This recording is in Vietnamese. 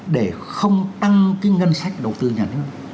để không tăng cái ngân sách đầu tư nhà nước